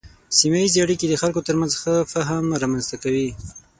سیمه ایزې اړیکې د خلکو ترمنځ ښه فهم رامنځته کوي.